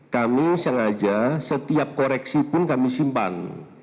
kami sengaja setiap koreksi pun kami simpan